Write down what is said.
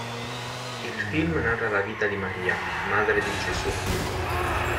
Il film narra la vita di Maria, madre di Gesù.